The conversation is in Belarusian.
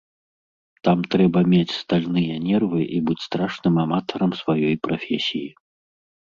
Там трэба мець стальныя нервы і быць страшным аматарам сваёй прафесіі.